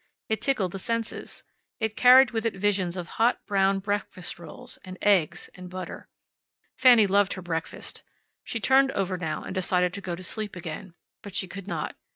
It tickled the senses. It carried with it visions of hot, brown breakfast rolls, and eggs, and butter. Fanny loved her breakfast. She turned over now, and decided to go to sleep again. But she could not.